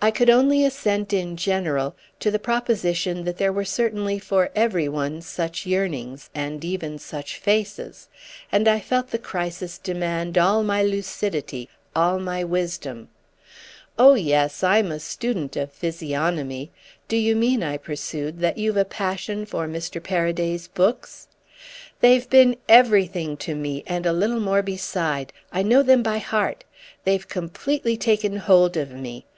I could only assent in general to the proposition that there were certainly for every one such yearnings, and even such faces; and I felt the crisis demand all my lucidity, all my wisdom. "Oh yes, I'm a student of physiognomy. Do you mean," I pursued, "that you've a passion for Mr. Paraday's books?" "They've been everything to me and a little more beside—I know them by heart. They've completely taken hold of me.